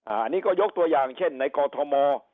อันนี้ก็ยกตัวอย่างเช่นในกอทม